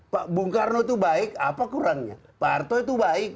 pak bung karno itu baik apa kurangnya pak harto itu baik